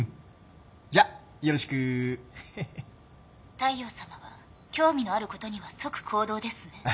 大陽さまは興味のあることには即行動ですね。